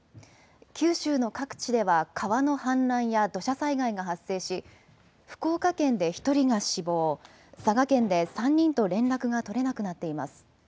九州の各地では川の氾濫や土砂災害が発生し福岡県で１人が死亡、佐賀県で３人と連絡が取れなくなっています。